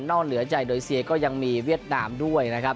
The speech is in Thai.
เหนือใจโดยเซียก็ยังมีเวียดนามด้วยนะครับ